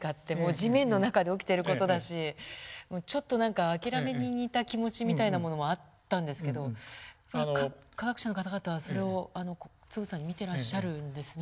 地面の中で起きてる事だしちょっと何か諦めに似た気持ちみたいなものもあったんですけど科学者の方々はそれをつぶさに見てらっしゃるんですね。